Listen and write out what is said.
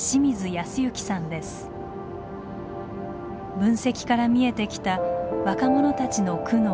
分析から見えてきた若者たちの苦悩。